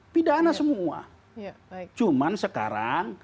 pidana semua cuman sekarang